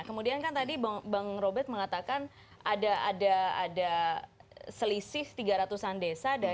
kemudian kan tadi bang robert mengatakan ada selisih tiga ratusan desa dari data